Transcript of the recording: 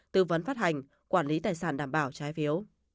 tư vấn phát hành quản lý tài sản đảm bảo trái phiếu